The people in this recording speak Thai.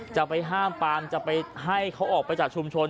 จะไปห้ามปามจะไปให้เขาออกไปจากชุมชน